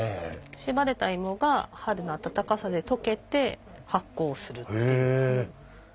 しばれたイモが春の暖かさで解けて発酵するっていう。